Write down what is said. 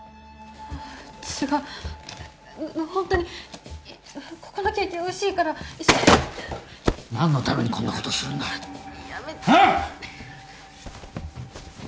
違うホントにここのケーキおいしいから一緒何のためにこんなことするんだやめてああ！？